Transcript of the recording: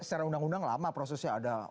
secara undang undang lama prosesnya ada